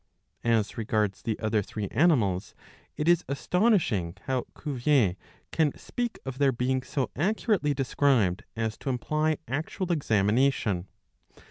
As regards the other three animals, it is astonishing how Cuvier can speak of their being so accurately described as to imply actual examination.